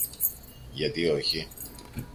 Γιατί όχι;